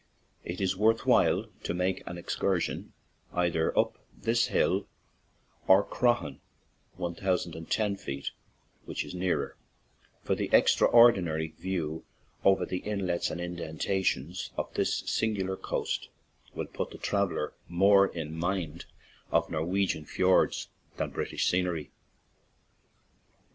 It is worth while to make an excursion either up this hill or Croaghan, one thousand and ten feet, which is nearer; for the extraordinary view over the inlets and indentations of this singular coast will put the traveller more in mind of Norwegian fiords than British scenery.